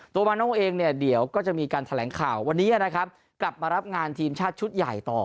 มาโน่เองเนี่ยเดี๋ยวก็จะมีการแถลงข่าววันนี้นะครับกลับมารับงานทีมชาติชุดใหญ่ต่อ